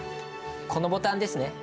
このボタンですね。